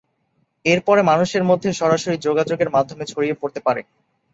এরপরে মানুষের মধ্যে সরাসরি যোগাযোগের মাধ্যমে ছড়িয়ে পড়তে পারে।